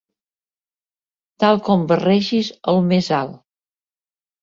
Tal com barregis el més alt.